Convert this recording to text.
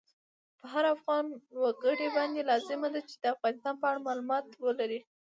په هر افغان وګړی باندی لازمه ده چی د افغانستان په اړه مالومات ولری